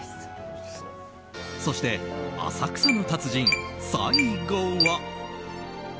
そして浅草の達人、最後は。